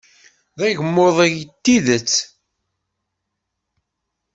D agmuḍ ay d tidet.